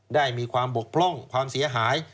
ได้มีความบกพร่องความเสียหาย